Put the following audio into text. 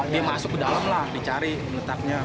dia masuk ke dalam lah dicari letaknya